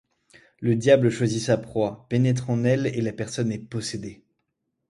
Le diable choisit sa proie, pénètre en elle et la personne est possédée.